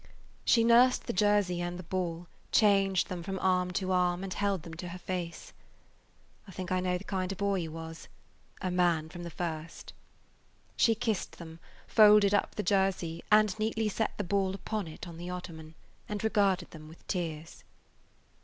She nursed the jersey and the ball, changed them from arm to arm, and held them to her face. "I think I know the kind of boy he was–a man from the first." She kissed [Page 174] them, folded up the jersey, and neatly set the ball upon it on the ottoman, and regarded them with tears.